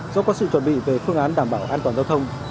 do có sự chuẩn bị về phương án đảm bảo an toàn giao thông